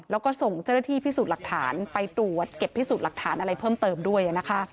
แล้วก็ส่งเจ้าหน้าที่พิสูจน์หลักฐานไปตรวจเก็บพิสูจน์หลักฐานอะไรเพิ่มเติมด้วยนะคะ